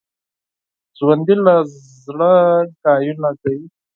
ژوندي له زړه خبرې کوي